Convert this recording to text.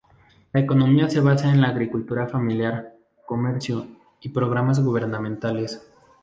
La economía se basa en la agricultura familiar, comercio y programas gubernamentales.